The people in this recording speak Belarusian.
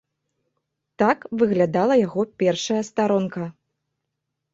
Так выглядала яго першая старонка.